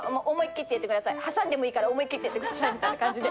挟んでもいいから思い切っていってくださいみたいな感じで。